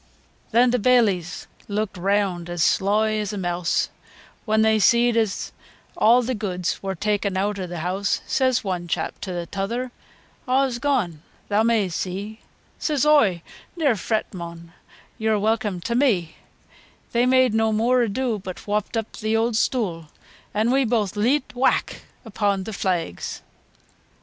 V. Then t' baileys leuked reawnd as sloy as a meawse, When they seed as aw t' goods were ta'en eawt o' t' heawse, Says one chap to th' tother, "Aws gone, theaw may see;" Says oi, "Ne'er freet, mon, yeaur welcome ta' me." They made no moor ado But whopped up th' eawd stoo', An' we booath leet, whack upo' t' flags!